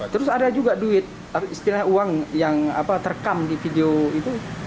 terus ada juga duit istilahnya uang yang terkam di video itu